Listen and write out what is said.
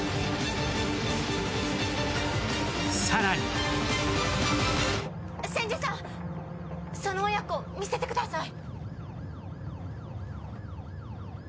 更に千住さん、その親子、見せてください。